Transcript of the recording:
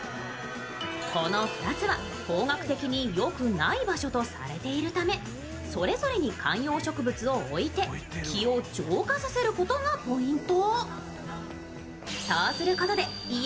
この２つは方角的によくない場所とされているため、それぞれに観葉植物を置いて気を浄化させることがポイント。